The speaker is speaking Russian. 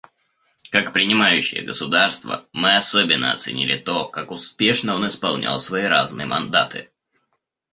Как принимающее государство, мы особенно оценили то, как успешно он исполнял свои разные мандаты.